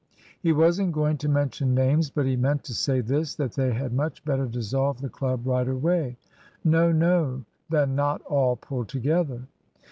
He wasn't going to mention names; but he meant to say this, that they had much better dissolve the club right away (No, no) than not all pull together.